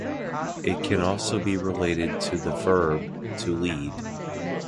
It can also be related to the "verb" to lead.